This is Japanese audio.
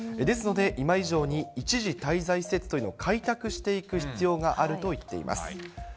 ですので、今以上に一時滞在施設というのを開拓していく必要があると言っています。